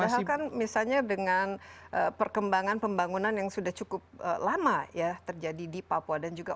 padahal kan misalnya dengan perkembangan pembangunan yang sudah cukup lama terjadi di papua